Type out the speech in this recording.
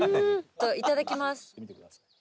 いただきます。